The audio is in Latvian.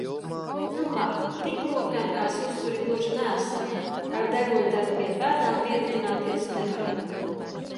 Nu labi, tik lokani kā susuri gluži neesam, ar degunteli pie pēdām pieritināties nevaram.